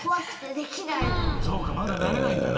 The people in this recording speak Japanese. そうかまだなれないんだな。